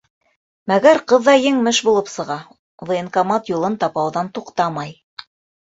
Мәгәр, ҡыҙ ҙа еңмеш булып сыға: военкомат юлын тапауҙан туҡтамай.